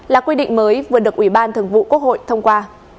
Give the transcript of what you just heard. là quy định mới vừa được ủy ban thường vụ quốc hội thông qua